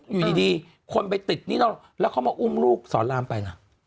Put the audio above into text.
อยู่ดีคนไปติดหนี้นอกแล้วเขามาอุ้มลูกสอนรามไปนะ